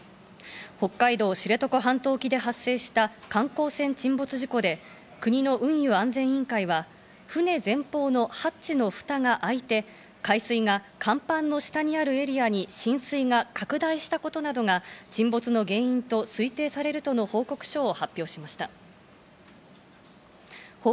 北海道・知床半島沖で発生した観光船沈没事故で、国の運輸安全委員会は船前方のハッチの蓋が開いて、海水が甲板の下にあるエリアに浸水が拡大したことなどが沈没の原因と推定されるとの報告書を発表しました。